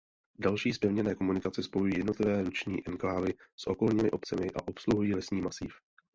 Další zpevněné komunikace spojují jednotlivé luční enklávy s okolními obcemi a obsluhují lesní masív.